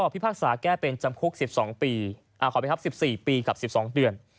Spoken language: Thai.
พิพากษาแก้เป็นจำคุก๑๔ปีกับ๑๒เดือน